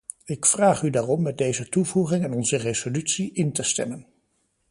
Ik vraag u daarom met deze toevoeging aan onze resolutie in te stemmen.